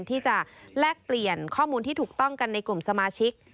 แลกเปลี่ยนข้อมูลที่ถูกต้องกันในกลุ่มสมาชิก